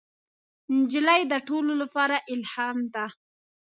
نجلۍ د ټولو لپاره الهام ده.